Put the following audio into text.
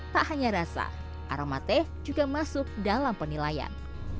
tak hanya rasa aroma teh juga masuk dalam penilaian